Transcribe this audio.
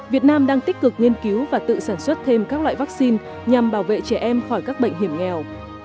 việt nam đang tích cực nghiên cứu và tự sản xuất thêm các loại vaccine nhằm bảo vệ trẻ em khỏi các bệnh hiểm nghèo